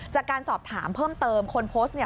จากการสอบถามเพิ่มเติมคนโพสต์เนี่ย